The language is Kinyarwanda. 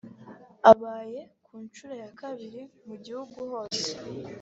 abaye ku nshuro ya kabiri mu gihugu hose